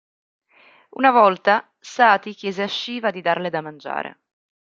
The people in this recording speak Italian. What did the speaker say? Una volta, Sati chiese a Shiva di darle da mangiare.